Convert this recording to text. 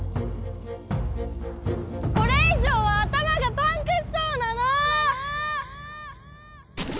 これ以上は頭がパンクしそうなの！